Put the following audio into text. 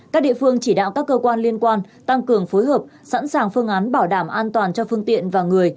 các địa phương chỉ đạo các cơ quan liên quan tăng cường phối hợp sẵn sàng phương án bảo đảm an toàn cho phương tiện và người